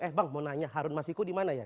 eh bang mau nanya harun masiku dimana ya